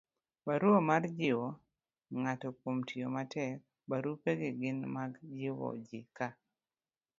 barua mar jiwo ng'ato kuom tiyo matek. barupegi gin mag jiwo ji ka